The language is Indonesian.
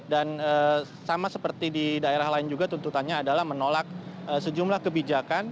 sama seperti di daerah lain juga tuntutannya adalah menolak sejumlah kebijakan